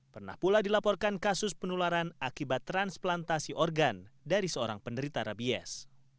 pernah pula dilaporkan kasus penularan akibat transplantasi organ dari seorang penderita rabies